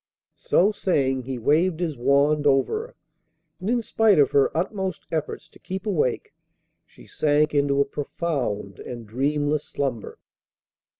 So saying, he waved his wand over her, and in spite of her utmost efforts to keep awake she sank into a profound and dreamless slumber.